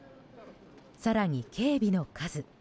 更に、警備の数。